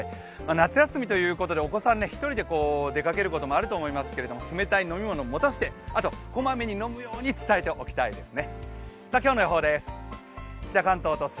夏休みということで、出かけることもあると思いますが、冷たい飲み物を持たせてこまめに飲むよう伝えておきたいですね。